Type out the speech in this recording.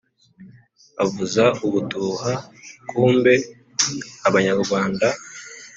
avuza ubuduha kumbe abanyarwanda